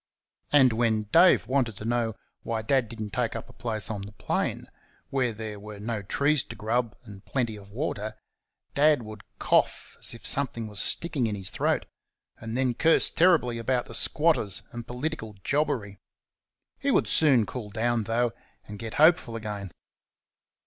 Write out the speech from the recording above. And when Dave wanted to know why Dad did n't take up a place on the plain, where there were no trees to grub and plenty of water, Dad would cough as if something was sticking in his throat, and then curse terribly about the squatters and political jobbery. He would soon cool down, though, and get hopeful again.